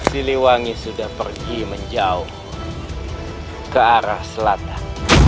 siliwangi sudah pergi menjauh ke arah selatan